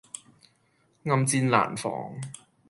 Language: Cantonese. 暗箭難防